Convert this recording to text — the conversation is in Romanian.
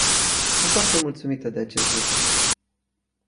Sunt foarte mulțumită de acest lucru.